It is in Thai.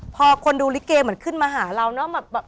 พอคนดูลิเกเหมือนขึ้นมาหาเราเนอะ